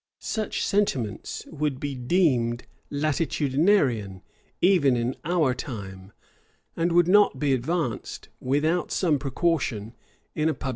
Such sentiments would be deemed latitudinarian, even in our time; and would not be advanced, without some precaution, in a public assembly.